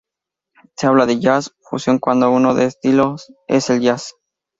Se habla de jazz fusión cuando uno de estos estilos es el jazz.